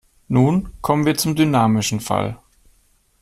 Nun kommen wir zum dynamischen Fall.